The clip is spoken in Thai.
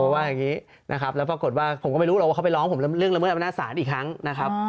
ว่าอย่างนี้นะครับแล้วปรากฏว่าผมก็ไม่รู้หรอกว่าเขาไปร้องผมเรื่องละเมิดอำนาจศาลอีกครั้งนะครับ